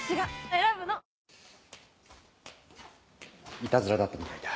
いたずらだったみたいだ。